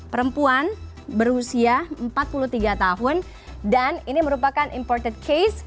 perempuan berusia empat puluh tiga tahun dan ini merupakan imported case